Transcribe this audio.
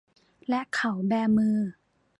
และเขาแบมือ